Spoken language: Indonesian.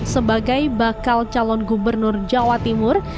sebagai bakal calon gubernur jawa timur